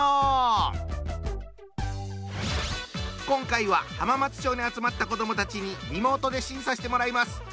今回は浜松町に集まった子どもたちにリモートで審査してもらいます。